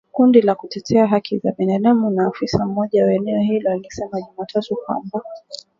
Kundi la kutetea haki za binadamu na afisa mmoja wa eneo hilo alisema Jumatatu kwamba.